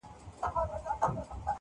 هم په منډه پهلوان وو تر هوسیانو -